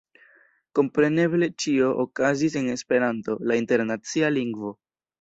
Kompreneble ĉio okazis en Esperanto, la internacia lingvo.